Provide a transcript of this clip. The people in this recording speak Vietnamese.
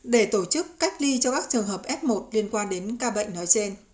để tổ chức cách ly cho các trường hợp f một liên quan đến ca bệnh nói trên